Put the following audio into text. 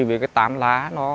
với cái tán lá